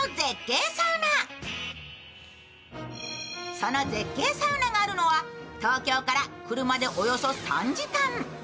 その絶景サウナがあるのは東京から車でおよそ３時間。